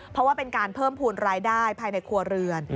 เพราะว่าเป็นการเพิ่มภูมิรายได้ภายในครัวเรือน